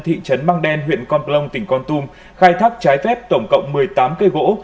thị trấn măng đen huyện con plong tỉnh con tum khai thác trái phép tổng cộng một mươi tám cây gỗ